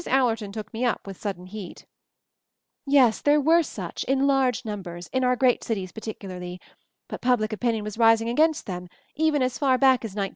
Allerton took me up with sudden heat: "Yes, there were such, in large numbers, in our great cities particularly; but public opinion was rising against them even as far back as 1910.